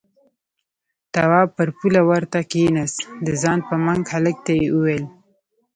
تواب پر پوله ورته کېناست، د ځان په منګ هلک ته يې وويل: